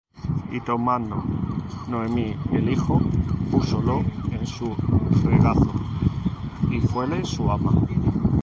Y tomando Noemi el hijo, púsolo en su regazo, y fuéle su ama.